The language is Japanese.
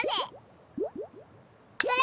それ。